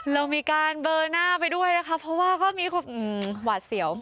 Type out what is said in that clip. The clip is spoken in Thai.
เรามีการเบอร์หน้าไปด้วยนะคะเพราะว่าก็มีความหวาดเสียว